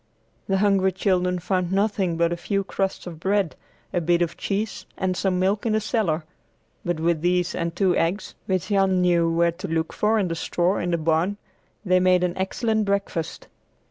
The hungry children found nothing but a few crusts of bread, a bit of cheese, and some milk in the cellar, but with these and two eggs, which Jan knew where to look for in the straw in the barn, they made an excellent breakfast.